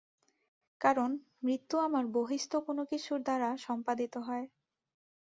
কারণ মৃত্যু আমার বহিঃস্থ কোন কিছুর দ্বারা সম্পাদিত হয়।